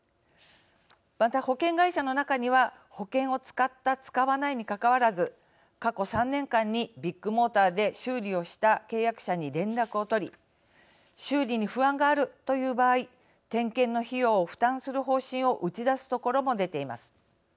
また保険会社の中には保険を使った、使わないにかかわらず、過去３年間にビッグモーターで修理をした契約者に連絡を取り修理に不安があるという場合点検の費用を負担する方針を打ち出すところも出ています。